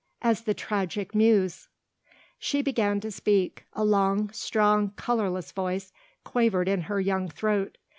"As the Tragic Muse." She began to speak; a long, strong, colourless voice quavered in her young throat.